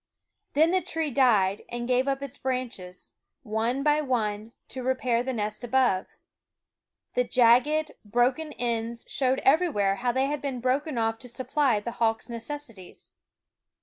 Then the tree died and gave up its branches, one by one, to repair the nest above. The jagged, broken ends showed everywhere how they had been broken off to supply the hawks' necessities.